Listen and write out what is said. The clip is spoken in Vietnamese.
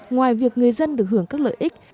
ngoài việc người dân được hưởng các lợi ích